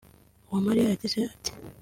Uwamariya yagize ati